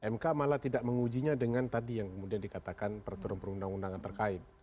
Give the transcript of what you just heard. mk malah tidak mengujinya dengan tadi yang kemudian dikatakan peraturan perundang undangan terkait